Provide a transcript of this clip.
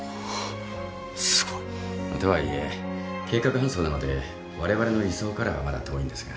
すごい。とはいえ計画搬送なのでわれわれの理想からはまだ遠いんですが。